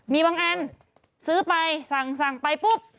มีบางอันซื้อไปสั่งไปปุ๊บ